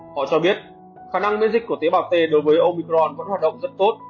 họ cho biết khả năng miễn dịch của tế bào t đối với omicron vẫn hoạt động rất tốt